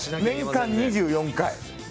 年間２４回。